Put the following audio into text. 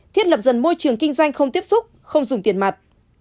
thiết lập dần môi trường kinh doanh không tiếp xúc không dùng tiền mặt